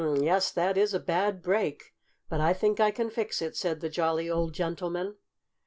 "Hum! Yes, that is a bad break, but I think I can fix it," said the jolly old gentleman.